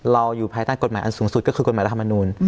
อยู่ภายใต้กฎหมายอันสูงสุดก็คือกฎหมายรัฐมนูล